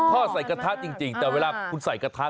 ใส่กระทะจริงแต่เวลาคุณใส่กระทะ